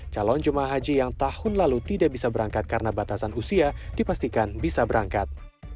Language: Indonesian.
calon jemaah haji yang tahun lalu tidak bisa berangkat karena batasan usia dipastikan bisa berangkat